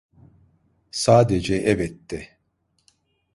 Sadece evet de.